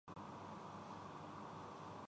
مسجد حرام اور مسجد نبوی کی توسیع ہوئی